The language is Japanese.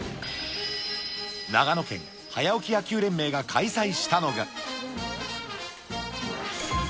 長野県早起き野球連盟が開催したのが。